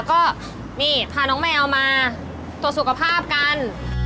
ก็นี่พาน้องแมวมาตรวจสุขภาพกัน